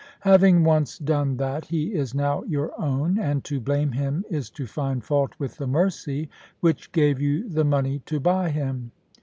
Having once done that, he is now your own; and to blame him is to find fault with the mercy which gave you the money to buy him.